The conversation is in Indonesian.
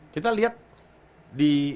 kita lihat di